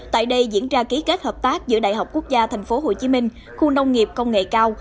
tại đây diễn ra ký kết hợp tác giữa đại học quốc gia tp hcm khu nông nghiệp công nghệ cao